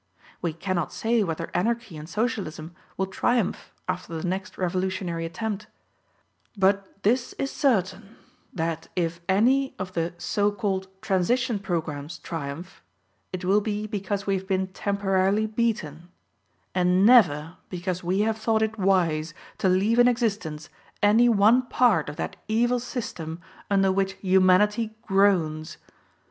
We cannot say whether Anarchy and Socialism will triumph after the next revolutionary attempt; but this is certain, that if any of the so called transition programs triumph, it will be because we have been temporarily beaten, and never because we have thought it wise to leave in existence any one part of that evil system under which humanity groans.